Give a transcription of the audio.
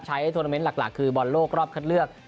ทวนาเมนต์หลักคือบอลโลกรอบคัดเลือก